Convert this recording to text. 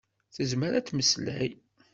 Tezmer ad temmeslay.